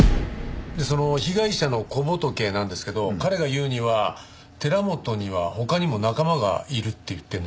その被害者の小仏なんですけど彼が言うには寺本には他にも仲間がいるって言ってるんです。